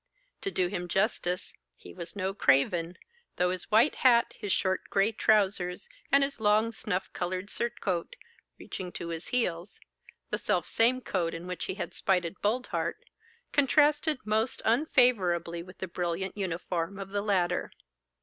To do him justice, he was no craven, though his white hat, his short gray trousers, and his long snuff coloured surtout reaching to his heels (the self same coat in which he had spited Boldheart), contrasted most unfavourably with the brilliant uniform of the latter.